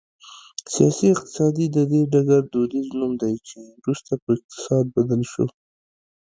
سیاسي اقتصاد د دې ډګر دودیز نوم دی چې وروسته په اقتصاد بدل شو